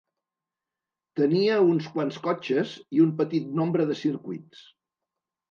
Tenia uns quants cotxes i un petit nombre de circuits.